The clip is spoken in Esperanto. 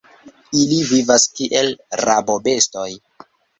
Ili vivas kiel rabobestoj.